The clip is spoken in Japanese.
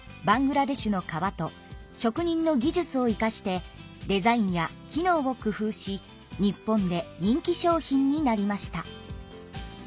バングラデシュのかわと職人の技術を生かしてデザインや機能を工夫し日本で人気商品になりました。